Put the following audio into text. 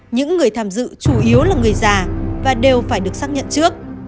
những người tham dự chủ yếu là người già và đều phải được xác nhận trước